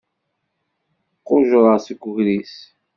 Qujjreɣ seg ugris.